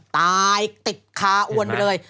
ตายติดคาอวนไปเลย